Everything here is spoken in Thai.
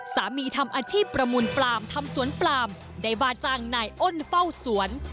สามีทำอาชีพประมูลปลามทำสวนปลามได้ว่าจ้างนายอ้นเฝ้าสวน